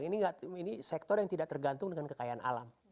ini sektor yang tidak tergantung dengan kekayaan alam